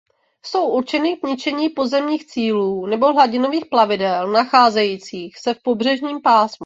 Jsou určeny k ničení pozemních cílů nebo hladinových plavidel nacházejících se v pobřežním pásmu.